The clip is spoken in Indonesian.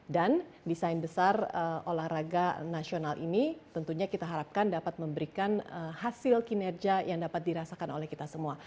dan desain besar olahraga nasional ini tentunya kita harapkan dapat memberikan hasil kinerja yang dapat dirasakan oleh kita semua